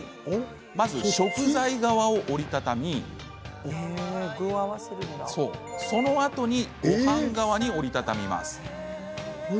まずは食材側を折り畳みそのあとにごはん側に折り畳みます。